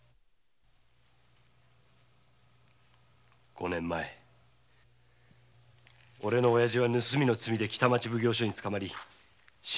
五年前おれの親父は盗みの罪で北町奉行所に捕まり島送りになりました